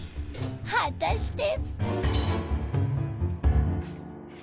果たして。